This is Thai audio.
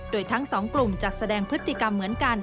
โดยทั้งสองกลุ่มจะแสดงพฤติกรรมเหมือนกัน